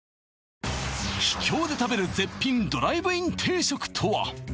秘境で食べる絶品ドライブイン定食とは！？